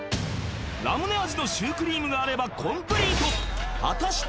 ラムネ味のシュークリームがあればコンプリート果たして！？